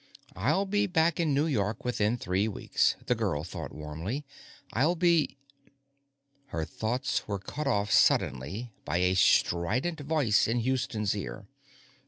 _ I'll be back in New York within three weeks, the girl thought warmly. _I'll be _ Her thoughts were cut off suddenly by a strident voice in Houston's ear.